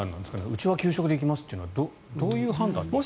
うちは給食で行きますというのはどういう判断ですかね？